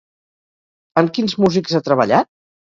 Amb quins músics ha treballat?